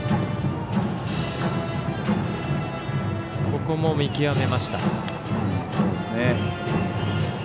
ここも見極めました。